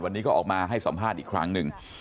วันนี้ก็ออกมาให้สัมภาษณ์อีกครั้งหนึ่ง